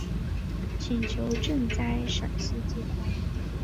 请求赈灾陕西饥荒。